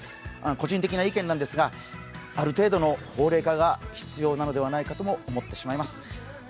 個人的な意見なんですが、ある程度の法令化が必要なのではないかと思ってしまいます。